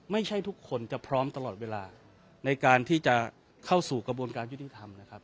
ไม่ใช่ทุกคนจะพร้อมตลอดเวลาในการที่จะเข้าสู่กระบวนการยุทธิธรรม